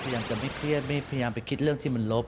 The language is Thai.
ยังจะไม่เครียดไม่พยายามไปคิดเรื่องที่มันลบ